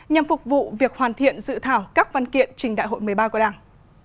nhằm phục vụ việc hoàn thiện dự thảo các văn kiện trình đại hội một mươi ba của đảng